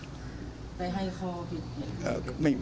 ไปให้ข้อผิด